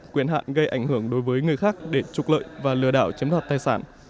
quyền hạn gây ảnh hưởng đối với người khác để trục lợi và lừa đảo chiếm đoạt tài sản